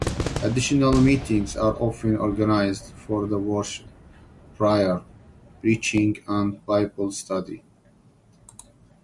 Additional meetings are often organised for worship, prayer, preaching and Bible study.